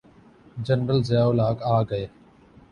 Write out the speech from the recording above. General Zia ul-Haq آ گئے۔